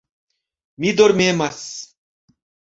Mi dormemas.